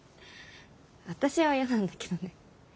私はやなんだけどね。